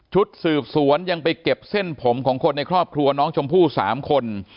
ชุดสืบสวนยังไปเก็บเส้นผมของคนในครอบครัวน้องชมพู่๓คน